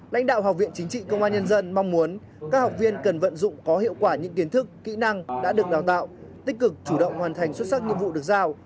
lãnh đạo học viện chính trị công an nhân dân mong muốn các học viên cần vận dụng có hiệu quả những kiến thức kỹ năng đã được đào tạo tích cực chủ động hoàn thành xuất sắc nhiệm vụ được giao